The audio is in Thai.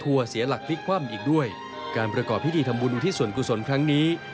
ทั่วเสียหลักฟลิกความอีกด้วยการประกอบพิธีฐรรมต์อุทธิศส่วนครับ